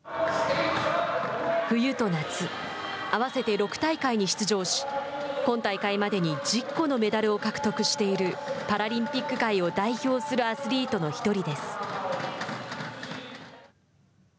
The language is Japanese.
冬と夏合わせて６大会に出場し今大会までに１０個のメダルを獲得しているパラリンピック界を代表するアスリートの１人です。